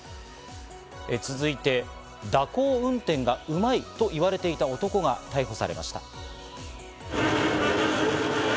続いて蛇行運転がうまいと言われていた男が逮捕されました。